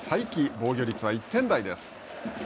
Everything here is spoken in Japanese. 防御率は１点台です。